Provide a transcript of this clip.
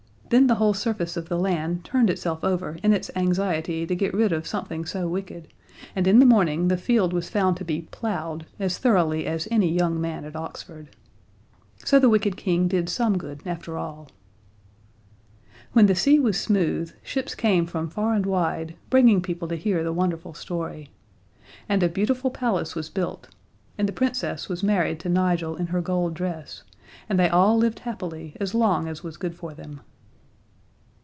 Then the whole surface of the land turned itself over in its anxiety to get rid of something so wicked, and in the morning the field was found to be plowed as thoroughly as any young man at Oxford. So the wicked King did some good after all. When the sea was smooth, ships came from far and wide, bringing people to hear the wonderful story. And a beautiful palace was built, and the Princess was married to Nigel in her gold dress, and they all lived happily as long as was good for them.